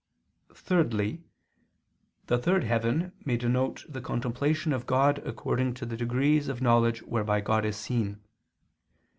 Thirdly, the third heaven may denote the contemplation of God according to the degrees of knowledge whereby God is seen.